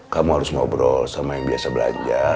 kamu harus ngobrol sama yang biasa belanja